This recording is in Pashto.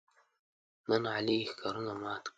نن علي یې ښکرونه مات کړل.